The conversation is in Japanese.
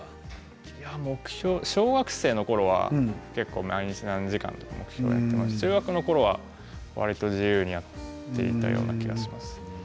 小学生のころは結構毎日何時間とか目標でやってましたけれども中学のころはわりと自由にやっていたような気がします。